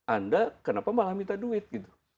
anda kenapa malah minta duit gitu